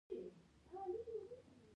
د هل ګل د څه لپاره وکاروم؟